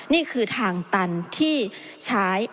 นี่คือทางตันที่ใช้